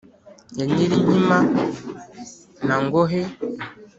ya nyirankima na ngohe,